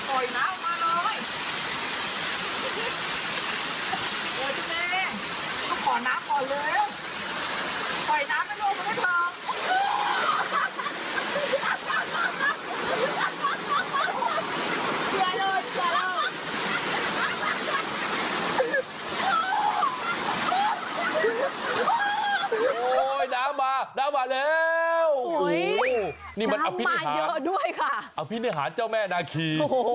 โอ้ยน้ำมาน้ำมาแล้วโห้นี่มันอภินิหารเจ้าแม่นาคี